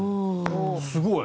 すごい。